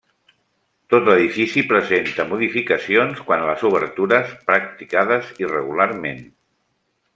Tot l'edifici presenta modificacions quant a les obertures, practicades irregularment.